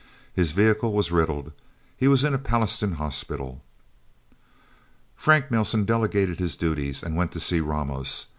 His vehicle was riddled. He was in a Pallastown hospital. Frank Nelsen delegated his duties, and went to see Ramos.